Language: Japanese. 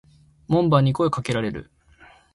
門番に声を掛けられる。